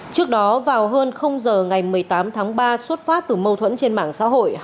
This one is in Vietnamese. trước đó vào hơn giờ ngày một mươi tám tháng ba xuất phát từ mâu thuẫn trên mạng xã hội